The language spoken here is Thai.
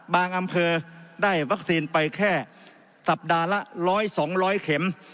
อำเภอได้วัคซีนไปแค่สัปดาห์ละ๑๐๐๒๐๐เข็ม